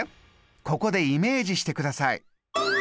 ここでイメージしてください。